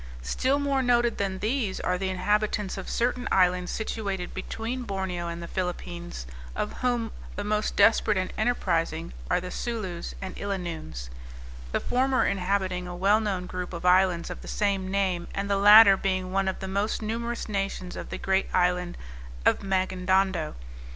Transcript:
Still more noted than these, are the inhabitants of certain islands situated between Borneo and the Phillipines, of whom the most desperate and enterprising are the Soolos and Illanoons, the former inhabiting a well known group of islands of the same name, and the latter being one of the most numerous nations of the great island of Magindando.